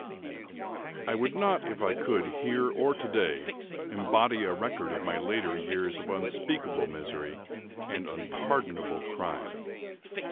I would not, if I could, here or to day, embody a record of my later years of unspeakable misery, and unpardonable crime.